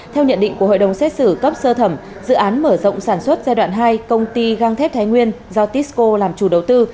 theo nhận định của hội đồng xét xử cấp sơ thẩm dự án mở rộng sản xuất giai đoạn hai công ty găng thép thái nguyên do tisco làm chủ đầu tư